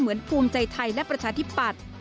เหมือนภูมิใจไทยและประชาธิบัตร